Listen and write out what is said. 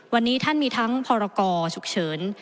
วันนี้ท่านมีทั้งพรกรฉุกเฉิน